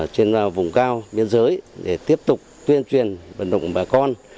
trên vùng cao biên giới để tiếp tục tuyên truyền vận động bà con